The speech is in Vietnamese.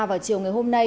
vào chiều ngày hôm nay